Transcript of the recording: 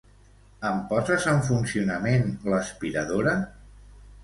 Em poses en funcionament l'aspiradora?